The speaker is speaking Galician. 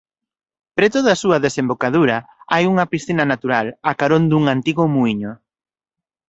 Preto da súa desembocadura hai unha piscina natural a carón dun antigo muíño.